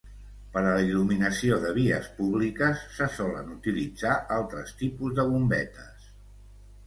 Per a la il·luminació de vies públiques, se solen utilitzar altres tipus de bombetes.